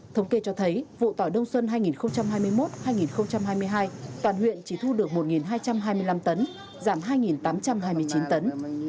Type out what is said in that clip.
thống kê cho thấy vụ tỏi đông xuân hai nghìn hai mươi một hai nghìn hai mươi hai toàn huyện chỉ thu được một hai trăm hai mươi năm tấn giảm hai tám trăm hai mươi chín tấn